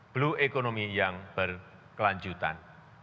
blue economy yang berkelanjutan